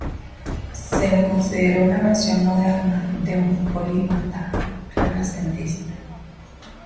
Se lo consideró una versión moderna de un polímata renacentista.